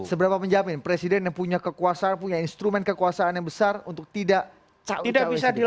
seberapa penjelasan presiden yang punya kekuasaan punya instrumen kekuasaan yang besar untuk tidak